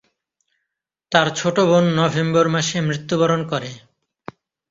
তার ছোট বোন নভেম্বর মাসে মৃত্যুবরণ করে।